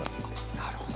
なるほど。